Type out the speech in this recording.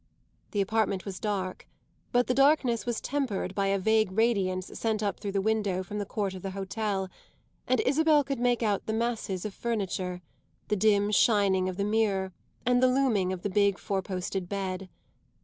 This apartment was dark, but the darkness was tempered by a vague radiance sent up through the window from the court of the hotel, and Isabel could make out the masses of the furniture, the dim shining of the mirror and the looming of the big four posted bed.